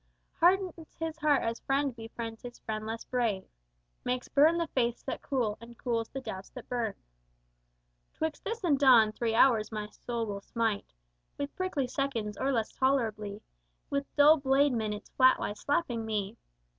Heartens his heart as friend befriends his friend less brave, Makes burn the faiths that cool, and cools the doubts that burn: "'Twixt this and dawn, three hours my soul will smite With prickly seconds, or less tolerably With dull blade minutes flatwise slapping me.